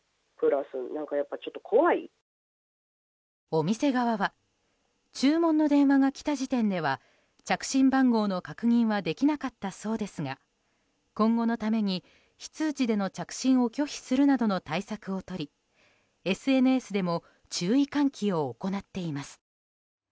お店側は注文の電話が来た時点では着信番号の確認はできなかったそうですが今後のために非通知での着信を拒否するなどの対策をとりＳＮＳでも注意喚起を行っています。